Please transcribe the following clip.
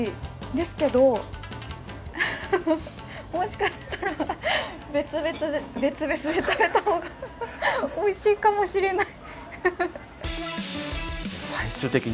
ですけど、ふふっ、もしかしたら、別々に食べた方がおいしいかもしれない。